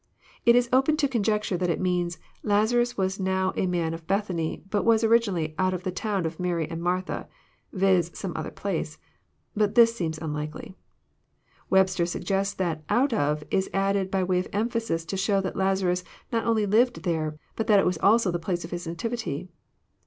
It is open to the conjecture that it means '* Lazarus was now a man of Bethany, bat was originaliy out of the town of Mary and Martha ;" viz., some other place. But this seems unlikely. — Web ster suggests that ''oat of" is added by way of emphasis, to show that Lazarus not only lived there, but that it was also the place of his nativity.